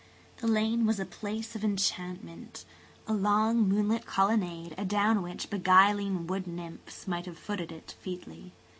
The lane was a place of enchantment–a long, moonlit colonnade adown which beguiling wood nymphs might have footed it featly.